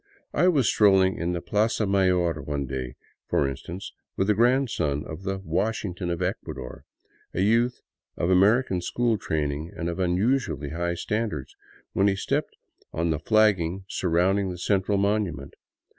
I was strolling in the plaza mayor one day, for instance, with the grandson of the " Washington of Ecuador," a youth of Amer j ican school training and of unusually high standards, when he stepped j on the flagging surrounding the central monument.